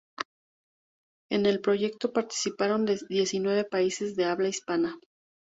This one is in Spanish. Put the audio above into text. En el proyecto participaron diecinueve países de habla hispana.